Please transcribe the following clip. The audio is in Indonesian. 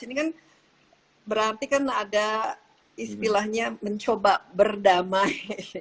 ini kan berarti kan ada istilahnya mencoba berdamai